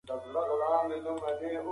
شریف خپل زوی ته د کلي د پولو کیسه وکړه.